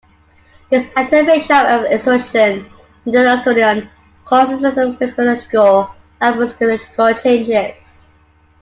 This activation of estrogen and testosterone causes physiological and psychological changes.